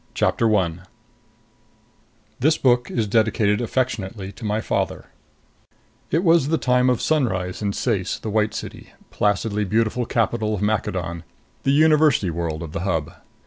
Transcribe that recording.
A This book is dedicated affectionately to my father 1 It was the time of sunrise in Ceyce, the White City, placidly beautiful capital of Maccadon, the University World of the Hub.